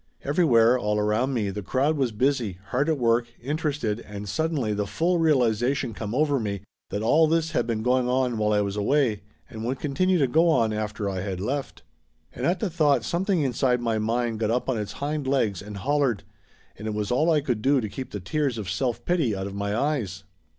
Everywhere, all around me, the crowd was busy, hard at work, interested, and suddenly the full realization come over me that all this had been going on while I was away and would continue to go on after I had left. And at the thought something inside my mind got up on its hind legs and hollered, and it was all I could do to keep the tears of self pity out of my eyes.